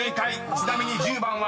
［ちなみに１０番は？］